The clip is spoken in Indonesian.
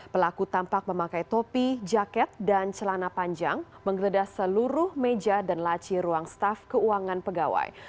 pelaku tampak memakai topi jaket dan celana panjang menggeledah seluruh meja dan laci ruang staff keuangan pegawai